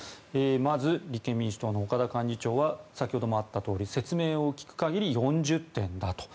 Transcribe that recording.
まず立憲民主党の岡田幹事長は先どもあったとおり説明を聞く限り４０点だと。